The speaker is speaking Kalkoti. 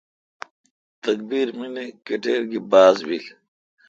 تکبیر من کٹیر گی باز بیل۔